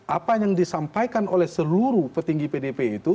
apa yang disampaikan oleh seluruh petinggi pdp itu